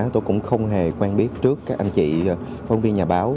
tôi cũng không hề quen biết trước các anh chị phóng viên nhà báo